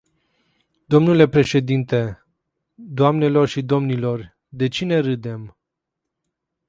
Dle președinte, doamnelor și domnilor, de cine râdem?